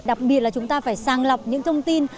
đặc biệt là chúng ta phải sang lọc những thông tin